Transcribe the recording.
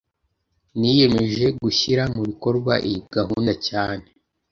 Niyemeje gushyira mu bikorwa iyi gahunda cyane